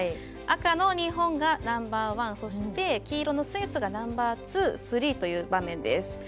赤の日本がナンバーワンそして黄色のスイスがナンバーツー、スリーという場面です。